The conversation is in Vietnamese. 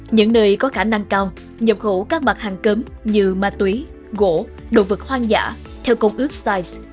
những nơi có khả năng cao nhập khẩu các mặt hàng cấm như ma túy gỗ đồ vật hoang dã theo công ước sais